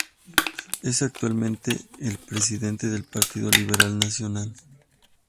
Es actualmente el presidente del Partido Liberal Nacional.